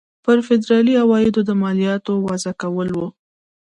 پر فدرالي عوایدو د مالیاتو وضع کول وو.